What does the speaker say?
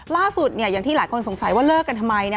ล่าสุดอย่างที่หลายคนสงสัยว่าเลิกกันทำไม